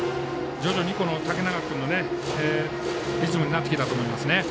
徐々に竹中君のリズムになってきたと思いますね。